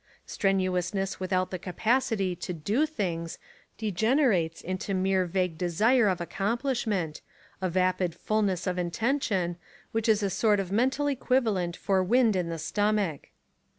Strenuousness without the capacity to do things degenerates into mere vague desire of accomplishment, a vapid fulness of intention, which is a sort of mental equivalent for wind on the stomach.